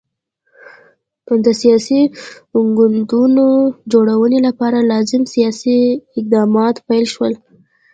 د سیاسي ګوندونو جوړونې لپاره لازم سیاسي اقدامات پیل شول.